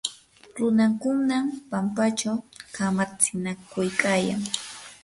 runakunam pampachaw kamatsinakuykayan.